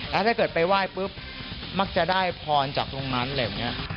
แล้วถ้าเกิดไปไหว้ปุ๊บมักจะได้พรจากตรงนั้นอะไรอย่างนี้